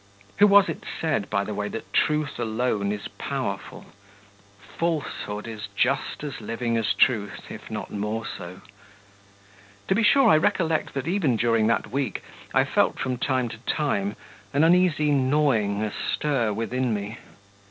Who was it said, by the way, that truth alone is powerful? Falsehood is just as living as truth, if not more so. To be sure, I recollect that even during that week I felt from time to time an uneasy gnawing astir within me